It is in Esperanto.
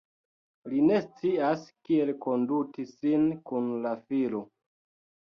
Li ne scias kiel konduti sin kun la filo.